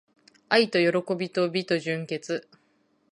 愛と喜びと美と純潔